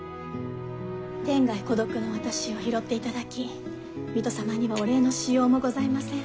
天涯孤独な私を拾っていただき水戸様にはお礼のしようもございません。